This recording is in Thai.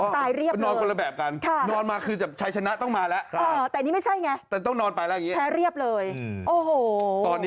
ตายเรียบเลยนอนต้องหลบกัน